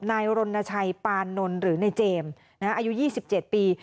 นายรณชัยปานนหรือนายเจมส์อายุ๒๗ปี